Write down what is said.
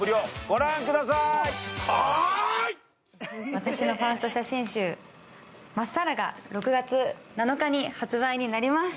私のファースト写真集「まっさら」が６月７日に発売になります。